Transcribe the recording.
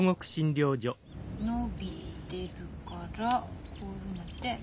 のびてるからこういうふうになって。